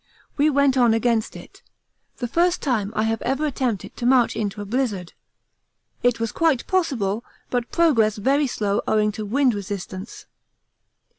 We went on against it, the first time I have ever attempted to march into a blizzard; it was quite possible, but progress very slow owing to wind resistance.